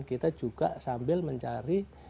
kita juga sambil mencari